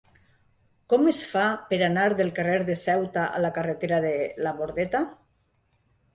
Com es fa per anar del carrer de Ceuta a la carretera de la Bordeta?